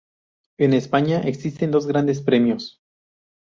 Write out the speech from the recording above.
En España, existen dos grandes premios.